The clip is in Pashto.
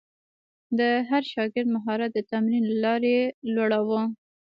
د هر شاګرد مهارت د تمرین له لارې لوړاوه.